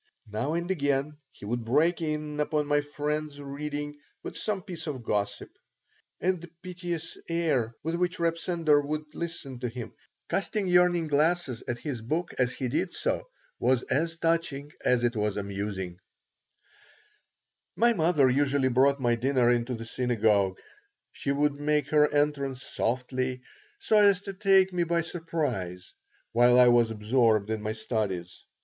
Now and again he would break in upon my friend's reading with some piece of gossip; and the piteous air with which Reb Sender would listen to him, casting yearning glances at his book as he did so, was as touching as it was amusing My mother usually brought my dinner to the synagogue. She would make her entrance softly, so as to take me by surprise while I was absorbed in my studies.